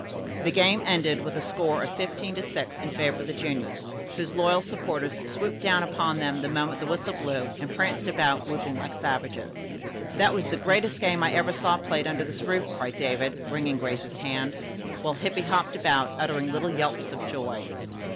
The game ended with the score 15 to 6 in favor of the juniors, whose loyal supporters swooped down upon them the moment the whistle blew and pranced about, whooping like savages. "That was the greatest game I ever saw played under this roof," cried David, wringing Grace's hand, while Hippy hopped about, uttering little yelps of joy.